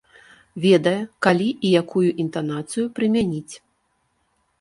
Ведае, калі і якую інтанацыю прымяніць.